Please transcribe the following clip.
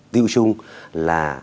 tiêu chung là